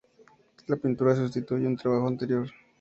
La pintura sustituye un trabajo anterior.